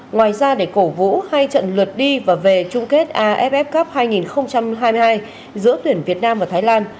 ngoài ra để cổ vũ hai trận lượt đi và về chung kết aff cup hai nghìn hai mươi hai giữa tuyển việt nam và thái lan